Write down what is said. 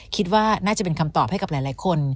คิดว่าน่าจะเป็นคำตอบให้กับหลายคน